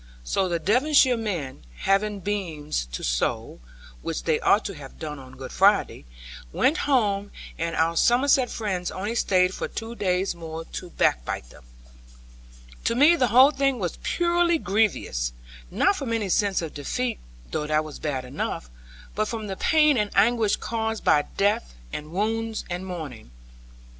So the Devonshire men, having beans to sow (which they ought to have done on Good Friday) went home; and our Somerset friends only stayed for two days more to backbite them. To me the whole thing was purely grievous; not from any sense of defeat (though that was bad enough) but from the pain and anguish caused by death, and wounds, and mourning.